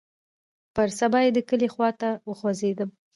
پر سبا يې د کلي خوا ته وخوځېدم.